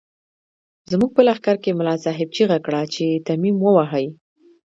زموږ په لښکر ملا صاحب چيغه کړه چې تيمم ووهئ.